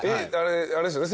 あれですよね？